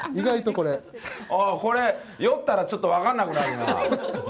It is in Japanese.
これ、酔ったらちょっと分かんなくなるな。